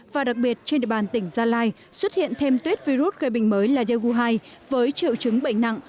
và đặc biệt trên địa bàn tỉnh gia lai xuất hiện thêm tuyết virus gây bệnh mới là daegu hai với triệu chứng bệnh nặng